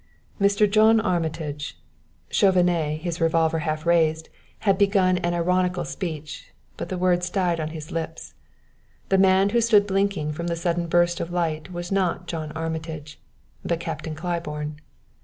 "Mr. John Armitage " Chauvenet, his revolver half raised, had begun an ironical speech, but the words died on his lips. The man who stood blinking from the sudden burst of light was not John Armitage, but Captain Claiborne.